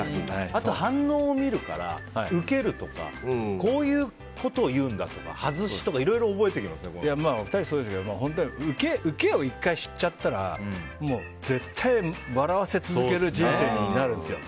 あと、反応を見るからウケるとかこういうことを言うんだとか外しとかウケを１回知っちゃったら絶対笑わせ続ける人生になるんですよ。